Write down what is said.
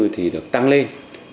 thì được tăng lên